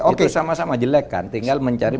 itu sama sama jelek kan tinggal mencari